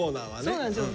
そうなんですよ。